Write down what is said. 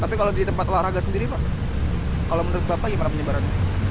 tapi kalau di tempat olahraga sendiri pak kalau menurut bapak gimana penyebarannya